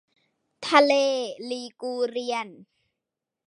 ทะเลลีกูเรียน